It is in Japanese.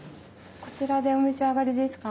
こちらでお召し上がりですか？